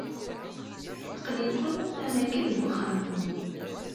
Aql-iken am akken deg uxxam-nwen.